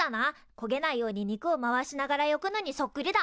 こげないように肉を回しながら焼くのにそっくりだ。